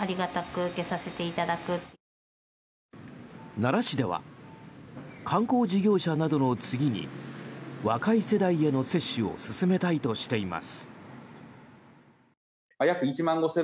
奈良市では観光事業者などの次に若い世代への接種を進めたいとしています。